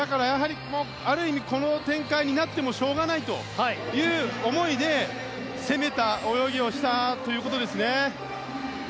ある意味この展開になってもしょうがないという思いで攻めた泳ぎをしたということですね。